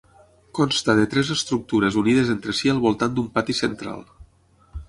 Consta de tres estructures unides entre si al voltant d'un pati central.